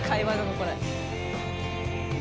これ。